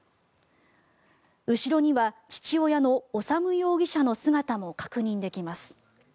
後ろには父親の修容疑者の姿も確認できます。